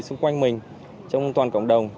xung quanh mình trong toàn cộng đồng